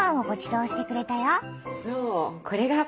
そう！